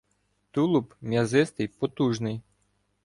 Тулуб м'язистий, потужний.